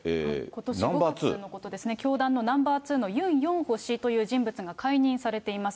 ことし５月のことですね、教団のナンバー２のユン・ヨンホ氏という人物が解任されています。